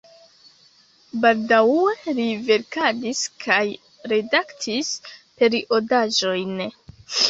Baldaŭe li verkadis kaj redaktis periodaĵojn.